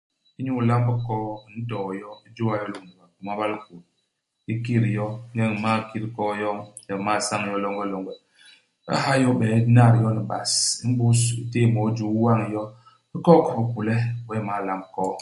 Inyu ilamb koo, u ntoo yo. U jôa yo lôñni mapuma ba likôl. U kit yo. Ingeñ u m'mal kit koo yoñ, le u m'mal sañ yo longelonge, u ha yo i hibee, u n'nat yo ni bas. Imbus u téé môô i juu, u wañ yo. U kok ki bikule. Wee u m'mal lamb koo.